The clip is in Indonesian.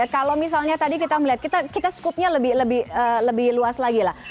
kalau misalnya tadi kita melihat kita skupnya lebih luas lagi lah